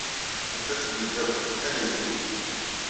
Ufiɣ-ten-id akk, ala yiwen.